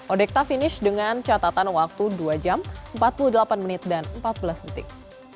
odekta finish dengan catatan waktu dua jam empat puluh delapan menit dan empat belas detik